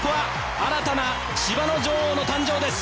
新たな芝の女王の誕生です！